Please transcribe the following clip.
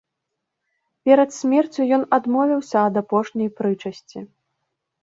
Перад смерцю ён адмовіўся ад апошняй прычасці.